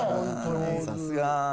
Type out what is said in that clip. さすが。